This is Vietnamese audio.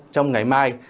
trong ngày mai